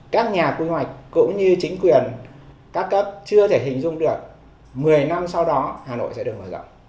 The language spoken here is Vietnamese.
các nhà quy hoạch cũng như chính quyền các cấp chưa thể hình dung được một mươi năm sau đó hà nội sẽ được mở rộng